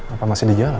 apa masih di jalan